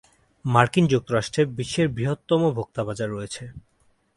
মার্কিন যুক্তরাষ্ট্রে বিশ্বের বৃহত্তম ভোক্তা বাজার রয়েছে।